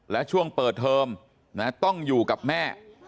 และช่วงเปิดเทอมต้องอยู่กับแม่